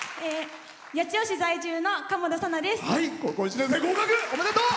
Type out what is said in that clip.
八千代市在住の、かもだです。